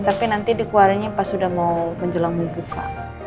tapi nanti dikeluarinnya pas sudah mau menjelang buka